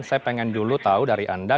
saya pengen dulu tahu dari anda